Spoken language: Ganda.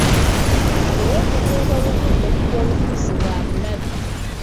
Obwegugungo obuvudde ku byobufuzi bwa bulabe.